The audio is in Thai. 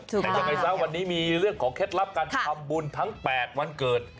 แต่ยังไงซะวันนี้มีเรื่องของเคล็ดลับการทำบุญทั้ง๘วันเกิด